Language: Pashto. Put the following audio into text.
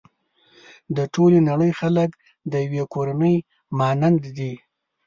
د ټولې نړۍ خلک د يوې کورنۍ مانند دي.